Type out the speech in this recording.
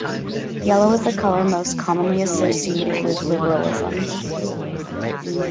Yellow is the colour most commonly associated with liberalism.